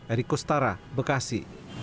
eriko stara bekasi